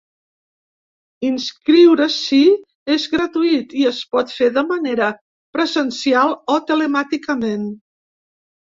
Inscriure-s’hi és gratuït i es pot fer de manera presencial o telemàticament.